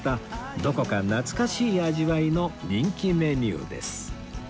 どこか懐かしい味わいの人気メニューです